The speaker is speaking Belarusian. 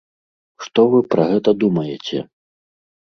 Што вы пра гэта думаеце?